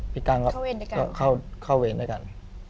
พี่กั้งเข้าเวรด้วยกัน